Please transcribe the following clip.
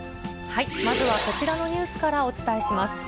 まずはこちらのニュースからお伝えします。